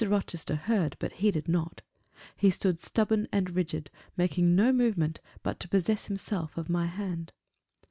Rochester heard, but heeded not; he stood stubborn and rigid; making no movement but to possess himself of my hand.